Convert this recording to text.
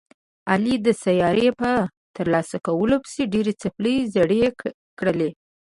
علي د سارې په ترلاسه کولو پسې ډېرې څپلۍ زړې کړلې.